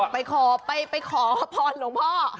ไปขอพรหลวงพ่อ